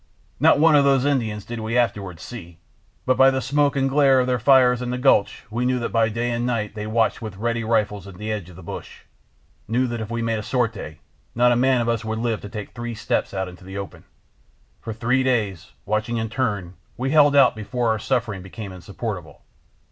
"Not one of those Indians did we afterward see, but by the smoke and glare of their fires in the gulch we knew that by day and by night they watched with ready rifles in the edge of the bush—knew that if we made a sortie not a man of us would live to take three steps into the open. For three days, watching in turn, we held out before our suffering became insupportable.